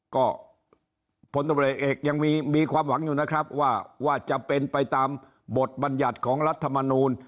ก็พลตำรวจเอกยังมีความหวังอยู่นะครับว่าจะเป็นไปตามบทบัญญัติของรัฐมนูล